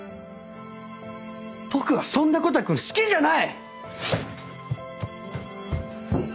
僕はそんなコタくん好きじゃない！